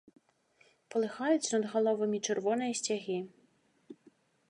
Палыхаюць над галовамі чырвоныя сцягі.